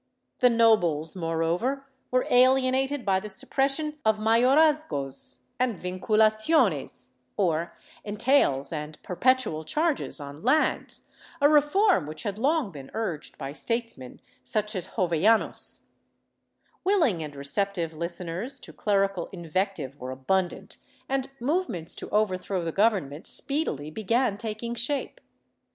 The nobles, moreover were alienated by the suppression of Mayorazgos and Vinculaciones, or entails and perpetual charges on lands, a reform which had long been urged by statesmen such as Jovellanos/ Willing and receptive listeners to clerical invective were abundant, and movements to overthrow the Government speedily began taking shape.